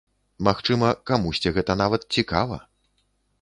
Магчыма, камусьці гэта нават цікава.